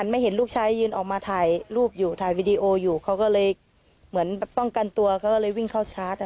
เยอะค่ะประมาณ๓๐๔๐ตัวค่ะ